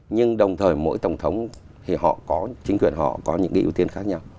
nhưng đồng thời mỗi tổng thống thì họ có chính quyền họ có những cái ưu tiên khác nhau